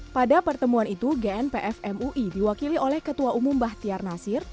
pada pertemuan itu gnpf mui diwakili oleh ketua umum bahtiar nasir